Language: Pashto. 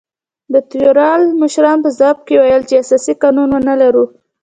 د تیورال مشرانو په ځواب کې ویل چې اساسي قانون ونه لرو.